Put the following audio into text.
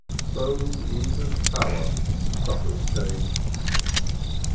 So even Pala suffers change.